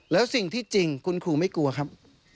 แล้วสิ่งที่จริงคุณครูไม่กลัวครับ